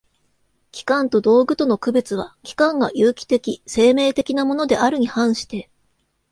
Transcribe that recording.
器官と道具との区別は、器官が有機的（生命的）なものであるに反して